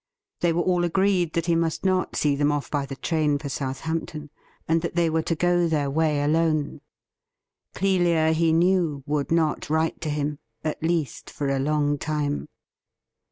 They were all agreed that he must not see them off by the train for Southampton, and that they were to go their way alone. Clelia, he knew, would not write to him — at least, for a long time.